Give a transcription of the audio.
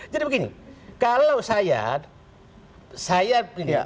jadi begini kalau saya